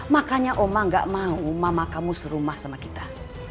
makanya oma gak mau mama kamu serumah sama kita